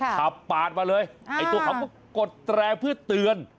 ขับปาดมาเลยไอ้ตัวเขาก็กดแตรเพื่อเตือน